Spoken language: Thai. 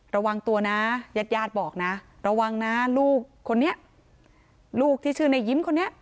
ระวังตัวนะญาติญาติบอกนะระวังนะลูกคนนี้ลูกที่ชื่อในยิ้มคนนี้